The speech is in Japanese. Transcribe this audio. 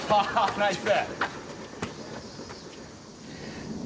ナイス。